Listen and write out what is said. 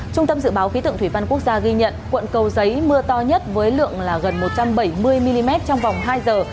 trung tâm dự báo khí tượng thủy văn quốc gia ghi nhận quận cầu giấy mưa to nhất với lượng gần một trăm bảy mươi mm trong vòng hai giờ